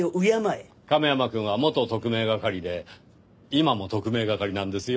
亀山くんは元特命係で今も特命係なんですよ。